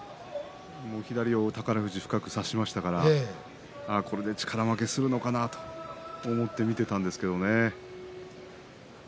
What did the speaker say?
左を宝富士、深く差しましたからこれで力負けするのかなと思って見ていたんですけれど。